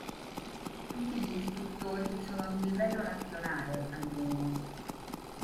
Tutti gli istruttori sono di livello nazionale, al minimo.